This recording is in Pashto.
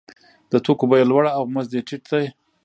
د توکو بیه لوړه او مزد یې ټیټ دی